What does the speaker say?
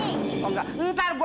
nanti saya keperet itu janda